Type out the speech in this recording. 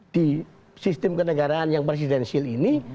di sistem kenegaraan yang presidensil ini